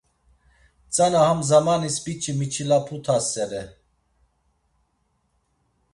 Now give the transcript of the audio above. Tzana ham zamanis biç̌i miçilaput̆asere.